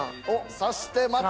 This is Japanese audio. そしてまた。